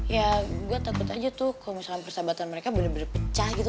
ya gue takut aja tuh kalo misalnya persahabatan mereka bener bener pecah gitu